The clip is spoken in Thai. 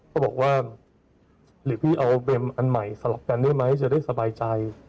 ก็บอกว่าหรือพี่เอาเบมอันใหม่สลับกันได้ไหมจะได้สบายใจ